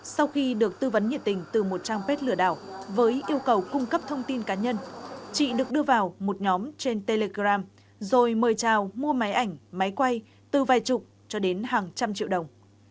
sau khi được tư vấn nhiệt tình từ một trang bếp lừa đảo với yêu cầu cung cấp thông tin cá nhân chị được đưa vào một nhóm trên telegram rồi mời chào mua máy ảnh máy quay từ vài chục cho đến hàng trăm triệu đồng